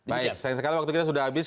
baik sayang sekali waktu kita sudah habis